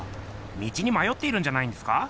道にまよっているんじゃないんですか？